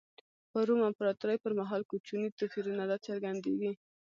په روم امپراتورۍ پر مهال کوچني توپیرونه را څرګندېږي.